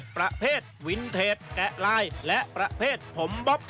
ประเภทวินเทจแกะลายและประเภทผมบ๊อบ